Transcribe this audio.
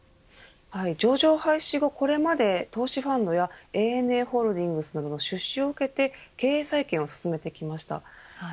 上場廃止後これまで投資ファンドやＡＮＡホールディングスなどの出資を受けて経営再建を進めてきました。